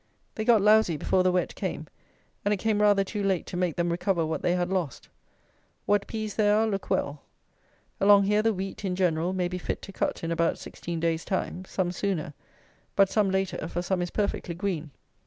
They got lousy before the wet came; and it came rather too late to make them recover what they had lost. What peas there are look well. Along here the wheat, in general, may be fit to cut in about 16 days' time; some sooner; but some later, for some is perfectly green.